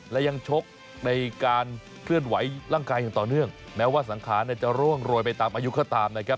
และยังชกในการเคลื่อนไหวร่างกายอย่างต่อเนื่องแม้ว่าสังขารจะร่วงโรยไปตามอายุก็ตามนะครับ